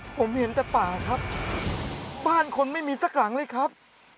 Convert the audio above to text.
ผมเห็นแต่ป่าครับบ้านคนไม่มีสักหลังเลยครับ